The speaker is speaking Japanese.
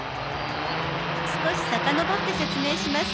少し遡って説明します。